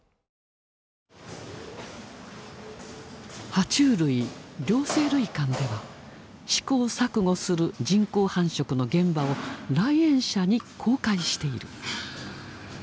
は虫類・両生類館では試行錯誤する人工繁殖の現場を来園者に公開している。